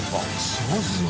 すごいですよね。